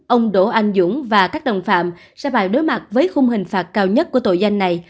ông đỗ anh dũng và các đồng phạm sẽ phải đối mặt với khung hình phạt cao nhất của tội danh này